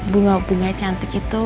bunga bunga cantik itu